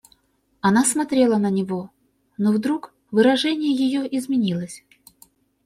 Она смотрела на него, но вдруг выражение ее изменилось.